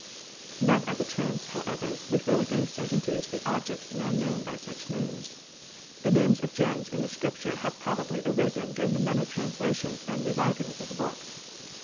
None of the terms, however, refer with any certainty to the ob jects now known by such names. The names of gems D. 1 2 PEARLS [CH. in the scriptures have probably arisen during the many translations and rewritings of the books.